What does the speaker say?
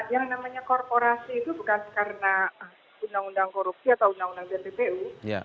yang namanya korporasi itu bukan karena undang undang korupsi atau undang undang tppu